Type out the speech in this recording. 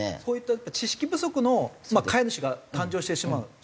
こういった知識不足の飼い主が誕生してしまう。